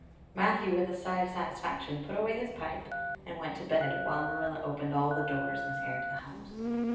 Matthew, with a sigh of satisfaction, put away his pipe and went to bed, while Marilla opened all the doors and aired the house.